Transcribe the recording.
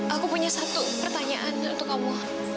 aku punya satu pertanyaan untuk kamu